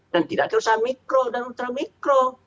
dan tidak ke usaha mikro dan ultra mikro